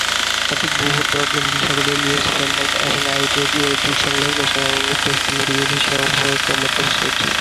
ভূতাত্ত্বিকভাবে, উত্তর আটলান্টিক দক্ষিণে নিউফাউন্ডল্যান্ড এবং আইবেরিয়ায় দুটি সংলগ্ন সীমা এবং উত্তরে সুমেরু ইউরেশিয়ান অববাহিকার মধ্যে অবস্থিত।